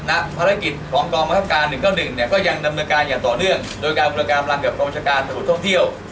นะฮะภารกิจของกรณ์บังคับการณ์หนึ่งเก้าหนึ่งเนี้ย